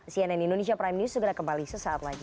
cnn indonesia prime news segera kembali sesaat lagi